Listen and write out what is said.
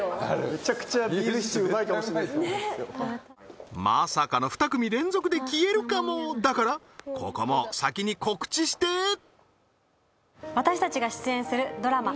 めちゃくちゃビーフシチューうまいかもしれないですねまさかの２組連続で消えるかもだからここも先に告知して私たちが出演するドラマ